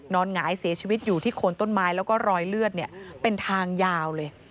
หงายเสียชีวิตอยู่ที่โคนต้นไม้แล้วก็รอยเลือดเป็นทางยาวเลย